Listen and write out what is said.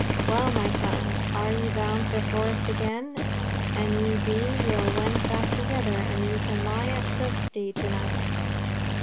Well, my sons, are ye bound for the Forest again? An ye be, we'll wend back together, and ye can lie at Silkstede to night."